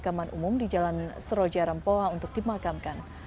taman pemakaman umum di jalan seroja rempoha untuk dimakamkan